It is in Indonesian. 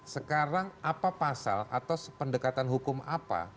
sekarang apa pasal atau pendekatan hukum apa